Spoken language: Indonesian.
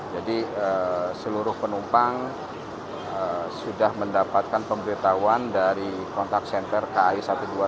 jadi seluruh penumpang sudah mendapatkan pemberitahuan dari kontak senter kai satu ratus dua puluh satu